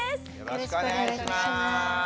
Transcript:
よろしくお願いします。